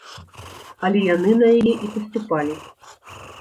Але яны на яе і паступалі.